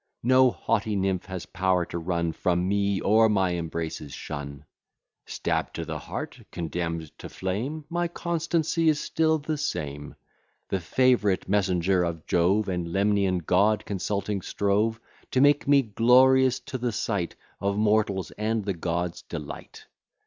No haughty nymph has power to run From me; or my embraces shun. Stabb'd to the heart, condemn'd to flame, My constancy is still the same. The favourite messenger of Jove, And Lemnian god, consulting strove To make me glorious to the sight Of mortals, and the gods' delight.